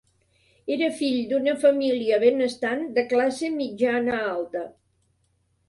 Era fill d'una família benestant de classe mitjana-alta.